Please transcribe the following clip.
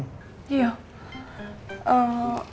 kamu pakein jaket aja di mobil dingin